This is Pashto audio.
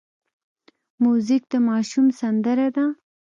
موزیک د ماشوم سندره ده.